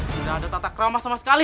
tidak ada tata krama sama sekali